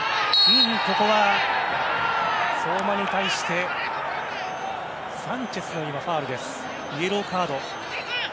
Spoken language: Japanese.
ここは相馬に対してサンチェスのファウルです。